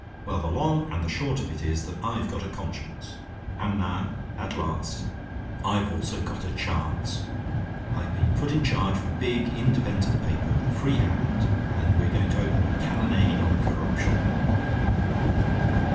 Well, the long and the short of it is that I've got a conscience; and now, at last, I've also got a chance. I've been put in charge of a big independent paper, with a free hand, and we're going to open a cannonade on corruption."